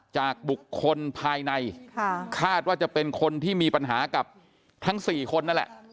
จากบุคคลภายในคาดว่าจะเป็นคนที่มีปัญหากับทั้ง๔คนนั่นแหละ